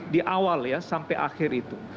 di awal ya sampai akhir itu